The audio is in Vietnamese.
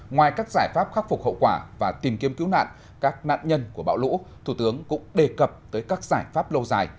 ngoài các giải pháp khắc phục hậu quả và tìm kiếm cứu nạn các nạn nhân của bão lũ thủ tướng cũng đề cập tới các giải pháp lâu dài